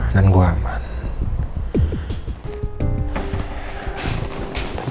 tapi sekarang permasalahan tinggal satu lagi